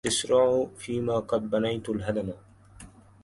تُسرعُ فيما قد بنيتَ الهَدما